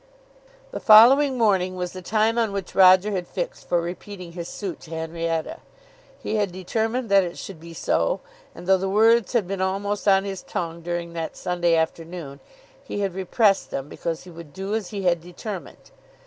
The following morning was the time on which Roger had fixed for repeating his suit to Henrietta. He had determined that it should be so, and though the words had been almost on his tongue during that Sunday afternoon, he had repressed them because he would do as he had determined.